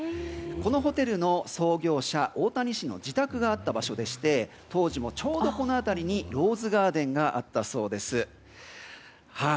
このホテルの創業者大谷氏の自宅があった場所でして当時も、ちょうどこの辺りにローズガーデンがあったそうです。